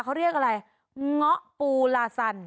เขาเรียกอะไรเงาะปูลาซัน